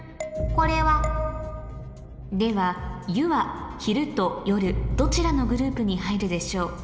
これは？では「湯」は昼と夜どちらのグループに入るでしょう？